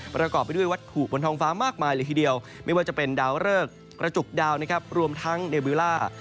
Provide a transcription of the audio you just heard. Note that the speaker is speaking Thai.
ประกอบไปด้วยวัตถุบนท้องฟ้ามากมายเลยทีเดียวไม่ว่าจะเป็นดาวเริกกระจุกดาวนะครับรวมทั้งเดวิล่า